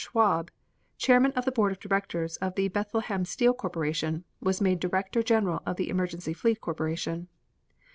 Schwab, chairman of the Board of Directors of the Bethlehem Steel Corporation, was made Director General of the Emergency Fleet Corporation.